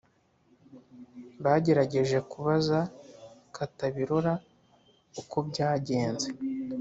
Bagerageje kubaza Katabirora uko byagenze,